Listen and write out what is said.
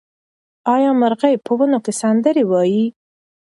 آیا مرغۍ په ونو کې سندرې وايي؟